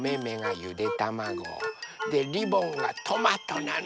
でリボンがトマトなの。